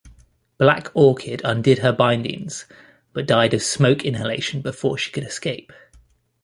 Black Orchid undid her bindings but died of smoke inhalation before she could escape.